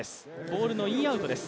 ボールのインアウトです。